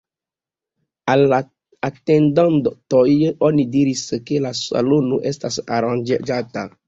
Al la atendantoj oni diris, ke la salono estas aranĝata.